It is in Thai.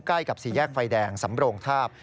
ใกล้กับสี่แยกไฟแดงสำโรงทาบ